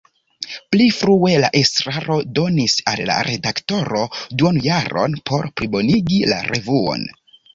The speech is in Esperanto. Pli frue la estraro donis al la redaktoro duonjaron por plibonigi la revuon.